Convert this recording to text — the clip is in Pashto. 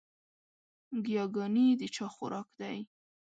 ګياګانې د چا خوراک دے؟